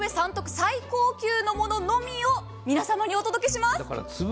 最高級のもののみを皆様にお届けします。